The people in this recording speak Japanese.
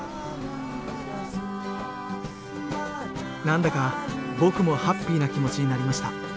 何だか僕もハッピーな気持ちになりました。